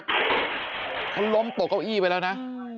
เขาล้มตกเก้าอี้ไปแล้วนะ